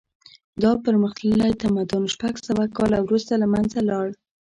دا پرمختللی تمدن شپږ سوه کاله وروسته له منځه لاړ.